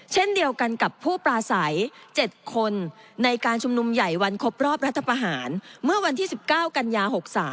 เช่นเดียวกันกับผู้ปราศัย๗คนในการชุมนุมใหญ่วันครบรอบรัฐประหารเมื่อวันที่๑๙กันยา๖๓